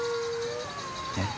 えっ。